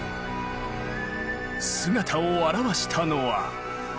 姿を現したのは。